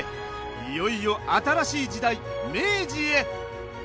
いよいよ新しい時代明治へ！